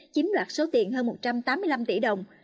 chiếm đoạt số tiền hơn một trăm tám mươi năm tỷ đồng